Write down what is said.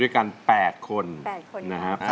สวัสดีครับ